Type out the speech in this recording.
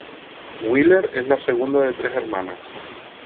Wheeler es la segunda de tres hermanas.